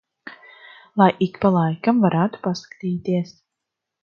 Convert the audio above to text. Lai ik pa laikam varētu paskatīties.